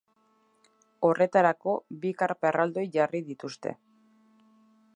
Horretarako bi karpa erraldoi jarri dituzte.